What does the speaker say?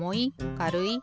かるい？